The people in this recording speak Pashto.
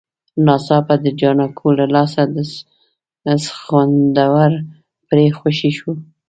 ناڅاپه د جانکو له لاسه د سخوندر پړی خوشی شو.